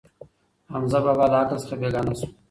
حمزه بابا له عقل څخه بېګانه شو.